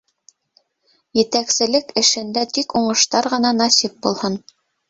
Етәкселек эшендә тик уңыштар ғына насип булһын.